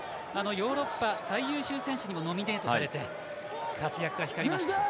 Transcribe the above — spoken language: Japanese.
ヨーロッパ最優秀選手にもノミネートされて活躍が光りました。